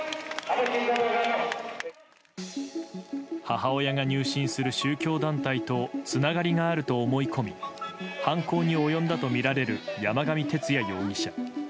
母親が入信する宗教団体とつながりがあると思い込み犯行に及んだとみられる山上徹也容疑者。